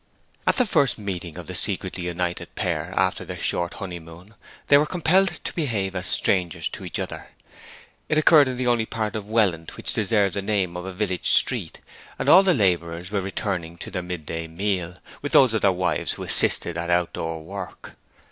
At the first meeting of the secretly united pair after their short honeymoon they were compelled to behave as strangers to each other. It occurred in the only part of Welland which deserved the name of a village street, and all the labourers were returning to their midday meal, with those of their wives who assisted at outdoor work.